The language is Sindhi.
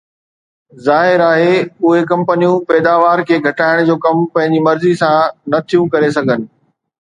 ظاهر آهي، اهي ڪمپنيون پيداوار کي گهٽائڻ جو ڪم پنهنجي مرضي سان نه ٿيون ڪري سگهن